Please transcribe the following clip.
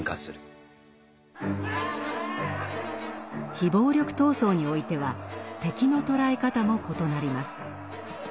非暴力闘争においては「敵」の捉え方も異なります。